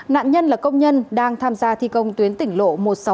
nạn nhân là công nhân đang tham gia thi công tuyến tỉnh lộ một trăm sáu mươi tám